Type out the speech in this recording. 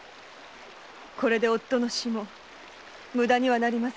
これで夫の死も無駄にはなりませんでした。